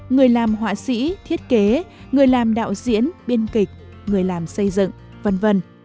người làm họa sĩ thiết kế người làm đạo diễn biên kịch người làm xây dựng v v